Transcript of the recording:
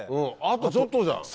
あとちょっとじゃん！